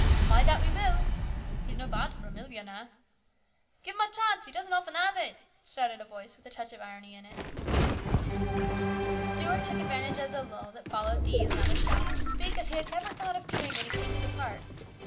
" Ay, that we will." " He's no bad for a millionaire." " Give him a chance. He doesn't often have it ?" shouted a voice with a touch of irony in it. Stuart took advantage of the lull that followed these and other shouts to speak as he had never thought of doing when he came to the park.